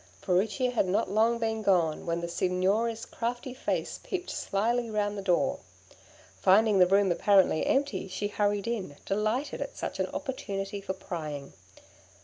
Furicchia had not long been gone, when the Signora's crafty face peeped slyly round the door. Finding the room apparently empty, she hurried in, delighted at such an opportunity for prying.